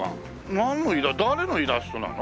なんの誰のイラストなの？